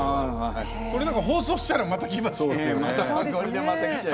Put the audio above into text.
これ何か放送したらまた来ますよ。